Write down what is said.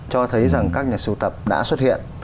cho thấy rằng các nhà sưu tập đã xuất hiện